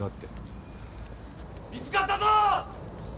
見つかったぞ！